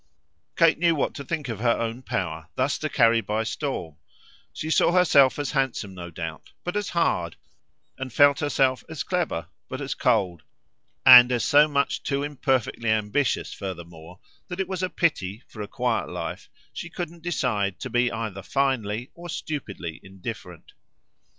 Kate knew what to think of her own power thus to carry by storm; she saw herself as handsome, no doubt, but as hard, and felt herself as clever but as cold; and as so much too imperfectly ambitious, futhermore, that it was a pity, for a quiet life, she couldn't decide to be either finely or stupidly indifferent.